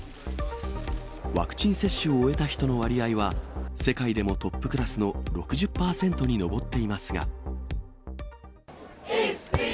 ワクチン接種を終えた人の割合は、世界でもトップクラスの６０％に上っていますが。